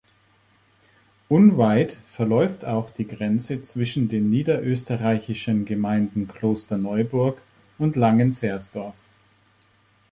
Unweit verläuft auch die Grenze zwischen den niederösterreichischen Gemeinden Klosterneuburg und Langenzersdorf.